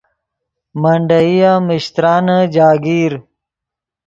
منڈیئی ام میشترانے جاگیر